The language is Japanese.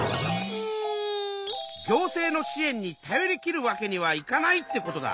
行政の支えんに頼りきるわけにはいかないってことだ。